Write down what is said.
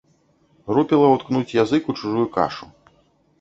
Рупіла ўткнуць язык у чужую кашу.